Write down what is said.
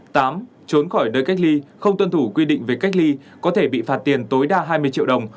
tám trốn khỏi nơi cách ly không tuân thủ quy định về cách ly có thể bị phạt tiền tối đa hai mươi triệu đồng